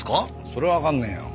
それはわかんねえよ。